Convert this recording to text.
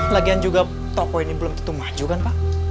lagian juga toko ini belum tentu maju kan pak